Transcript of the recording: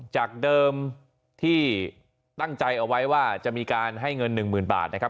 จากเดิมที่ตั้งใจเอาไว้ว่าจะมีการให้เงิน๑๐๐๐บาทนะครับ